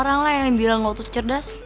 janganlah yang bilang lo tuh cerdas